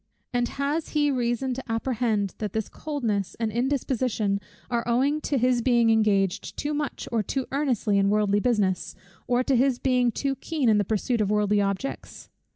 And has he reason to apprehend that this coldness and indisposition are owing to his being engaged too much or too earnestly in worldly business, or to his being too keen in the pursuit of worldly objects?